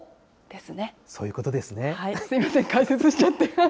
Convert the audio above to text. すみません、解説しちゃって。